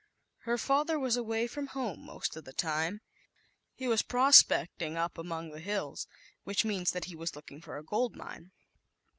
Her father was away from home/most of the time. He was " prospecting among the hills, which means that he was looking for a gold mine.